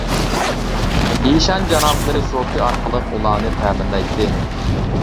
ئىشان جانابلىرى سوپى ئارقىلىق ئۇلارنى تەمىنلەيتتى.